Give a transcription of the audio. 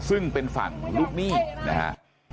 ซึ่งเป็นฝั่งลูกหนี้นะฮะ